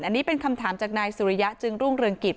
อันนี้เป็นคำถามจากนายสุริยะจึงรุ่งเรืองกิจ